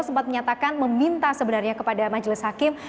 sempat menyatakan meminta sebenarnya kepada majelis hakim